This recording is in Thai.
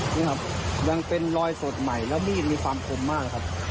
นี่ครับยังเป็นรอยสดใหม่แล้วมีดมีความคมมากครับ